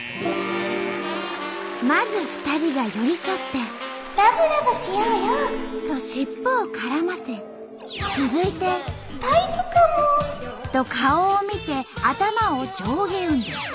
まず２人が寄り添って「ラブラブしようよ」と尻尾を絡ませ続いて「タイプかも」と顔を見て頭を上下運動。